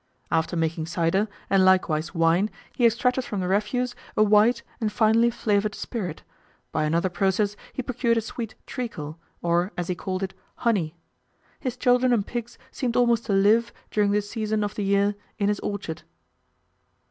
After making cider, and likewise wine, he extracted from the refuse a white and finely flavoured spirit; by another process he procured a sweet treacle, or, as he called it, honey. His children and pigs seemed almost to live, during this season of the year, in his orchard.